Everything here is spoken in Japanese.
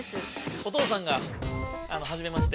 お父さんがはじめまして。